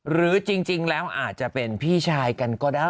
หรือจริงแล้วอาจจะเป็นพี่ชายกันก็ได้